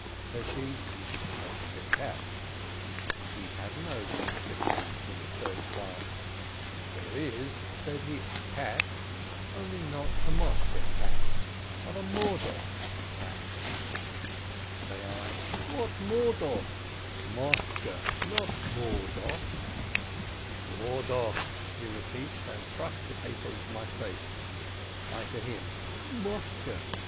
Says he, "Moshke Katz?" He has no Moshke Katz in the third class. "There is," he says, "a Katz, only not a Moshke Katz, but a Morduch — Morduch Katz." Say I, "What Morduch ? Moshke, not Morduch !" "Morduch !" he repeats, and thrusts the paper into my face. I to him, "Moshke."